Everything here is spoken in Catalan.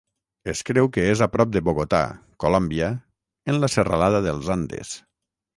Es creu que és a prop de Bogotà, Colòmbia, en la Serralada dels Andes.